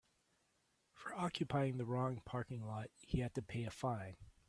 For occupying the wrong parking lot he had to pay a fine.